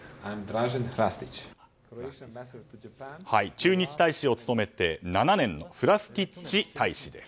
駐日大使を務めて７年のフラスティッチ大使です。